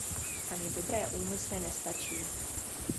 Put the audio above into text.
Ani dobré úmysly nestačí.